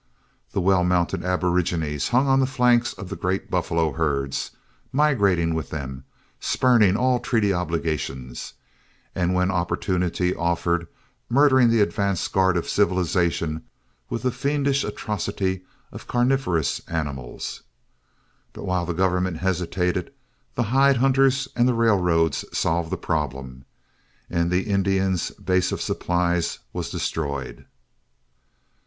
The well mounted aborigines hung on the flanks of the great buffalo herds, migrating with them, spurning all treaty obligations, and when opportunity offered murdering the advance guard of civilization with the fiendish atrocity of carnivorous animals. But while the government hesitated, the hide hunters and the railroads solved the problem, and the Indian's base of supplies was destroyed.